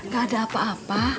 gak ada apa apa